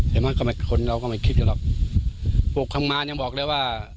แต่มันก็ไม่คิดหรอกพวกข้างมายังบอกแล้วว่า